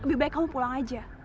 lebih baik kamu pulang aja